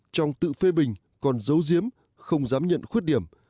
trong tự phê bình còn dấu diếm không dám nhận khuyết điểm